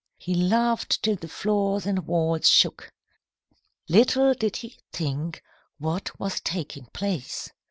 He laughed till the floors and walls shook. Little did he think what was taking place.